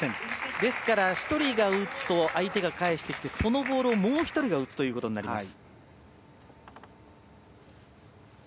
ですから１人が打つと相手が返してきてそのボールをもう１人が打つことになります。